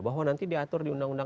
bahwa nanti diatur di undang undang